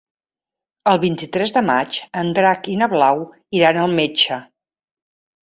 El vint-i-tres de maig en Drac i na Blau iran al metge.